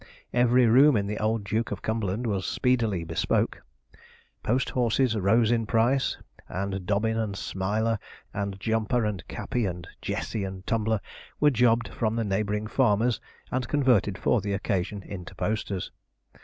Every room in the Old Duke of Cumberland was speedily bespoke. Post horses rose in price, and Dobbin and Smiler, and Jumper and Cappy, and Jessy and Tumbler were jobbed from the neighbouring farmers, and converted for the occasion into posters.